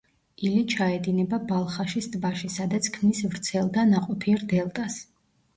ილი ჩაედინება ბალხაშის ტბაში, სადაც ქმნის ვრცელ და ნაყოფიერ დელტას.